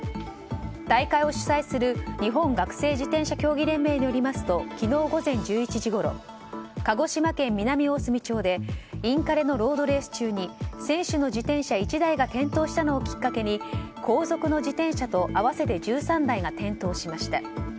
大会を主催する日本学生自転車競技連盟によりますと昨日午前１１時ごろ鹿児島県南大隅町でインカレのロードレース中で選手の自転車１台が転倒したのをきっかけに後続の自転車と合わせて１３台が転倒しました。